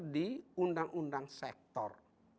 di undang undang sektor